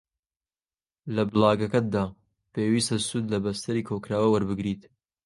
لە بڵاگەکەتدا پێویستە سوود لە بەستەری کۆکراوە وەربگریت